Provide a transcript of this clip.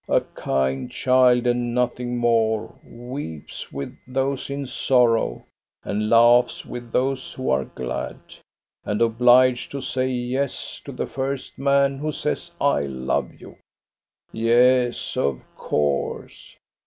" A kind child and nothing more ; weeps with those in sorrow, and laughs with those who are glad. And obliged to say ' yes ' to the first man who says, *I love you.' Yes, of course.